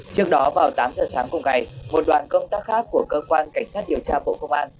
trước đó vào tám giờ sáng cùng ngày một đoàn công tác khác của cơ quan cảnh sát điều tra bộ công an